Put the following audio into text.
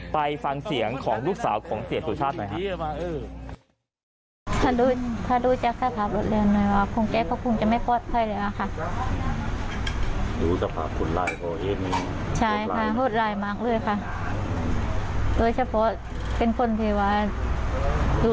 ไปฟังเสียงของลูกสาวของเสียสุชาติหน่อยครับ